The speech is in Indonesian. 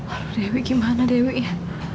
aduh dewi gimana dewi ya